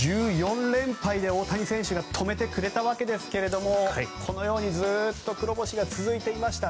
１４連敗で大谷選手が止めてくれたわけですがこのようにずっと黒星が続いていました。